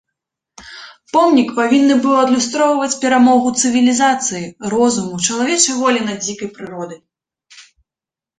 Помнік павінны быў адлюстроўваць перамогу цывілізацыі, розуму, чалавечай волі над дзікай прыродай.